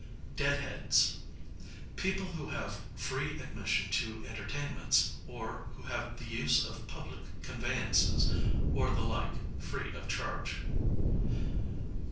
Dead heads, people who have free admission to entertainments, or who have the use of public conveyances, or the like, free of charge.